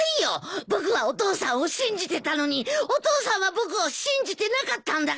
僕はお父さんを信じてたのにお父さんは僕を信じてなかったんだからね！